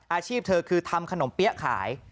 อาชีพเธอคือทำขนมเปี๊ยะขาย